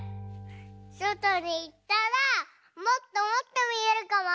そとにいったらもっともっとみえるかも！